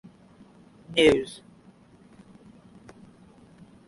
News.